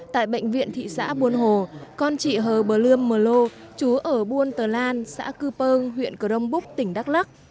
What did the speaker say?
tại bệnh viện thị xã buôn hồ con chị hờ bờ lươm mờ lô chú ở buôn tờ lan xã cư pơng huyện cờ rông búc tỉnh đắk lắc